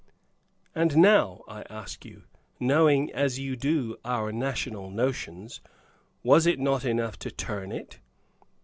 And now, I ask you, knowing as you do our national notions, was it not enough to turn it?